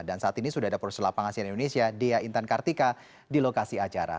dan saat ini sudah ada proses lapangan asian indonesia dea intan kartika di lokasi acara